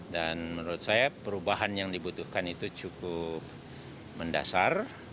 dan menurut saya perubahan yang dibutuhkan itu cukup mendasar